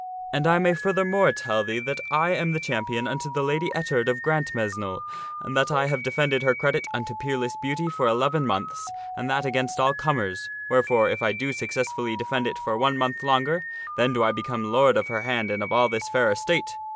And I may furthermore tell thee that I am the champion unto the Lady Ettard of Grantmesnle, and that ] have defended her credit unto peerless beauty for eleven months, and that against all comers, wherefore if I do successfully defend it for one month longer, then do I become lord of her hand and of all this fair estate.